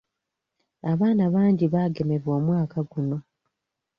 Abaana bangi baagemebwa omwaka guno.